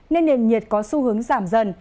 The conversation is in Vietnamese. nên nền nhiệt có xu hướng giảm dần